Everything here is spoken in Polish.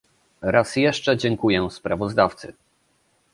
Raz jeszcze dziękuję sprawozdawcy